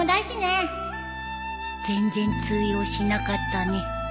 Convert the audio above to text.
全然通用しなかったね